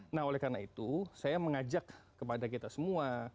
nah oleh karena itu saya mengajak kepada kita semua